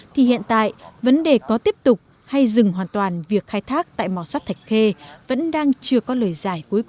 thì hiện tại vấn đề có tiếp tục hay dừng hoàn toàn việc khai thác tại mỏ sắt thạch khê vẫn đang chưa có lời giải